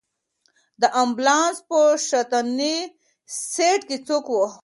د امبولانس په شاتني سېټ کې څوک و؟